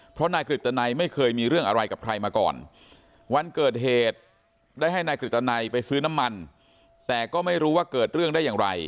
เพราะนายกฤตนัยไม่เคยมีเรื่องอะไรกับใครมาก่อนวันเกิดเหตุได้ให้นายกฤตนัยไปซื้อน้ำมันแต่ก็ไม่รู้ว่าเกิดเรื่องได้อย่างไร